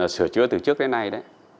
sửa chữa từ trước đến nay đấy